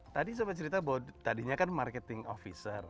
tadi sempat cerita bahwa tadinya kan marketing officer